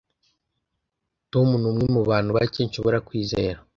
tom numwe mubantu bake nshobora kwizera